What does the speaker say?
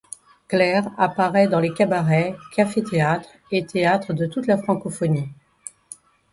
Clair apparaît dans les cabarets, café théâtres et théâtres de toute la Francophonie.